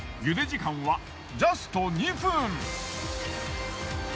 茹で時間はジャスト２分。